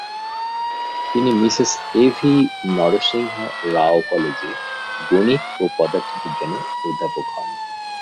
তিনি Mrs A V Narasimha Rao কলেজে গণিত ও পদার্থবিজ্ঞানে অধ্যাপক হন।